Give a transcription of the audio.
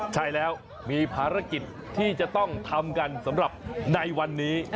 ใช่แล้วมีภารกิจที่จะต้องทำกันสำหรับในวันนี้